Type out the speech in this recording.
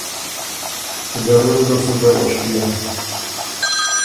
ضرور دل سُو ګۀ غؤَݭيېن۔